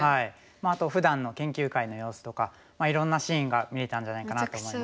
あとふだんの研究会の様子とかいろんなシーンが見れたんじゃないかなと思います。